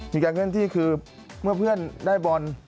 มีการเคลื่อนที่คือเมื่อเพื่อนได้บอล